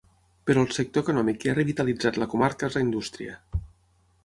Però el sector econòmic que ha revitalitzat la comarca és la indústria.